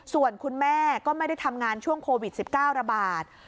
ส่วนคุณแม่ก็ไม่ได้ทำงานช่วงโควิด๑๙ระบาด